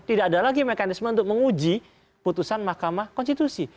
tidak ada lagi mekanisme untuk menguji putusan mahkamah konstitusi